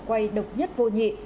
quay độc nhất vô nhị